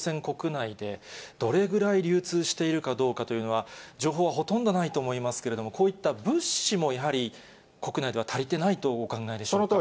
内で、どれぐらい流通しているかどうかというのは、情報はほとんどないと思いますけれども、こういった物資もやはり、国内では足りてないとお考えでしょうか。